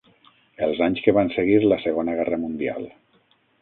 Els anys que van seguir la segona guerra mundial.